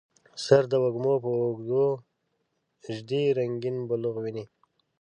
سر د وږمو په اوږو ږدي رنګیین بلوغ ویني